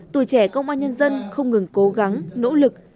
tuổi trẻ công an nhân dân không ngừng cố gắng nỗ lực